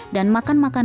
dan makan makanan